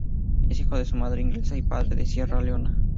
Es hijo de madre inglesa y padre de Sierra Leona.